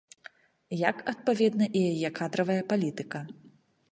Як, адпаведна, і яе кадравая палітыка.